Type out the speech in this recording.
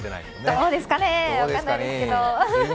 どうですかね。